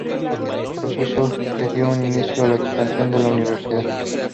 Proceso que dio inicio a la expansión de la Universidad.